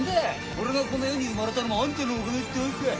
俺がこの世に生まれたのもあんたのおかげってわけかい？